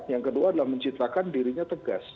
yang kedua adalah menciptakan dirinya tegas